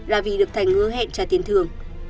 là vì được thành hứa hẹn trả tiền thường